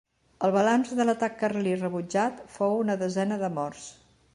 El balanç de l'atac carlí rebutjat fou d’una desena de morts.